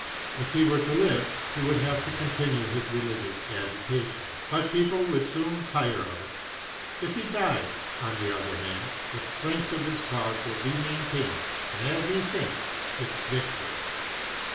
If he were to live, he would have to continue his religious agitation. But people would soon tire of it; if he dies, on the other hand, the strength of his cause will be maintained, and as he thinks, its victory."